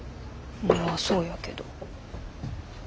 まあそうやけど。